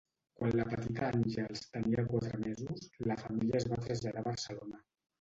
Quan la petita Àngels tenia quatre mesos, la família es va traslladar a Barcelona.